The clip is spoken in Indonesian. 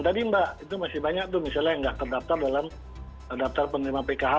tadi mbak itu masih banyak tuh misalnya yang nggak terdaftar dalam daftar penerima pkh